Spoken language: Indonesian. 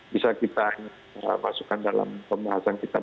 bisa kita masukkan dalam pembahasan kita